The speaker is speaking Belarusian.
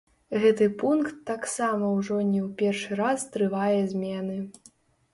Гэты пункт таксама ўжо не ў першы раз трывае змены.